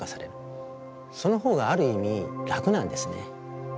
そのほうがある意味楽なんですね。